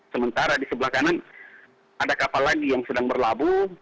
sementara di sebelah kanan ada kapal lagi yang sedang berlabuh